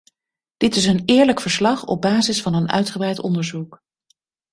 Dit is een eerlijk verslag op basis van een uitgebreid onderzoek.